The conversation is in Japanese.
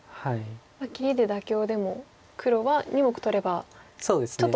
切りで妥協でも黒は２目取ればちょっと得してますね。